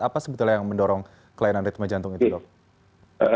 apa sebetulnya yang mendorong kelainan ritme jantung itu dok